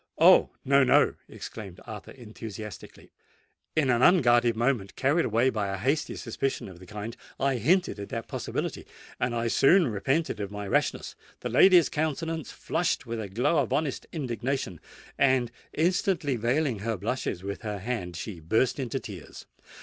"Oh! no—no," exclaimed Arthur, enthusiastically: "in an unguarded moment—carried away by a hasty suspicion of the kind—I hinted at that possibility,—and I soon repented of my rashness! The lady's countenance flushed with a glow of honest indignation; and, instantly veiling her blushes with her hand, she burst into tears.